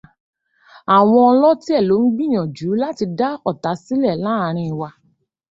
Àwọn ọlọ́tẹ̀ ló ń gbìyànjú láti dá ọ̀tá sílẹ̀ láàrin wa.